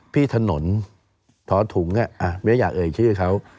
พี่ถนนท้อถุงไม่อยากเอ่ยชื่อเขา